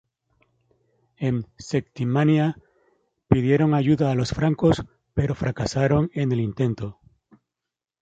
En Septimania pidieron ayuda a los francos, pero fracasaron en el intento.